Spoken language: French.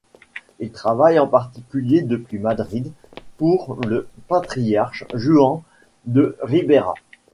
Il travaille en particulier depuis Madrid pour le patriarche Juan de Ribera.